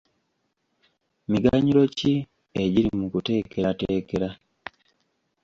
Miganyulo ki egiri mu kuteekerateekera?